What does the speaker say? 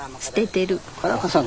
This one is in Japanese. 原川さん